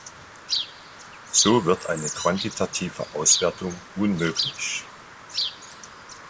So wird eine quantitative Auswertung unmöglich.